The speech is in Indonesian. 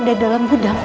dari dalam gudang